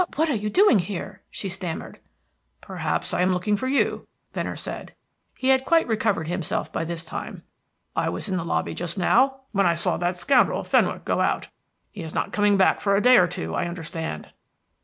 "What are you doing here?" she stammered. "Perhaps I am looking for you," Venner said. He had quite recovered himself by this time. "I was in the lobby just now, when I saw that scoundrel, Fenwick, go out. He is not coming back for a day or two, I understand."